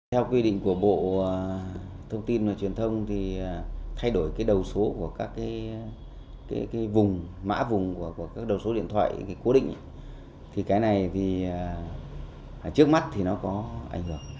theo quy định của bộ thông tin và truyền thông thì thay đổi cái đầu số của các vùng mã vùng đầu số điện thoại cố định thì cái này thì trước mắt thì nó có ảnh hưởng